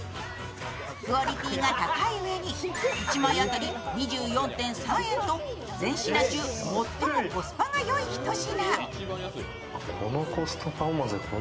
クオリティーが高いうえに、１枚当たり２４．３円と全品中、最もコスパがよい一品。